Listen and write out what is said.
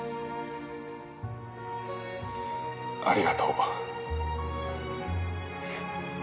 ありがとう。